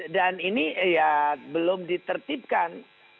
dan ini ya belum ditertibkan